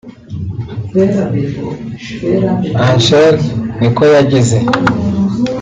Anschaire Nikoyagize